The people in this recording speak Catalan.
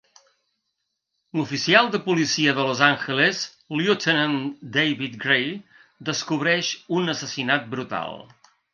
L'oficial de policia de Los Angeles Lieutenant David Grey descobreix un assassinat brutal.